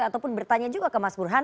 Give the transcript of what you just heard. ataupun bertanya juga ke mas burhan